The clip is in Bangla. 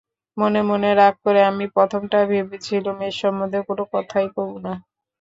মনে মনে রাগ করে আমি প্রথমটা ভেবেছিলুম, এ সম্বন্ধে কোনো কথাই কব না।